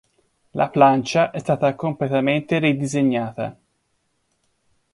La plancia è stata completamente ridisegnata.